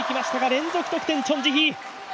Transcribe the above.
連続得点、チョン・ジヒ。